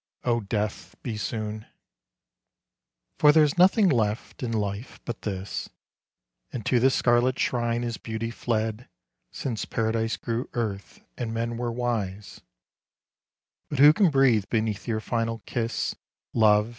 Oh Death, be soon ! For there is nothing left in life but this, And to this scarlet shrine is beauty fled Since Paradise grew earth and men were wise ; But who can breathe beneath your final kiss, Love